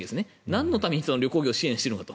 なんのために旅行業を支援しているのか。